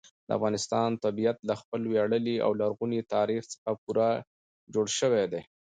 د افغانستان طبیعت له خپل ویاړلي او لرغوني تاریخ څخه پوره جوړ شوی دی.